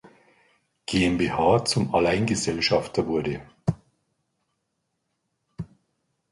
GmbH zum Alleingesellschafter wurde.